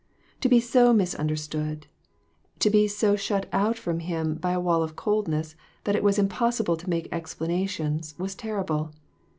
To be so misunderstood, to be so shut out from him by a wall of coldness, that it was impos sible to make explanations, was terrible.